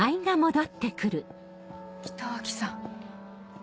北脇さん。